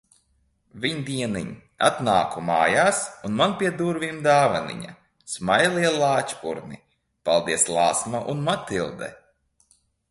Viņdieniņ atnāku mājās un man pie durvīm dāvaniņa-Smailie lāčpurni! Paldies Lāsma un Matilde!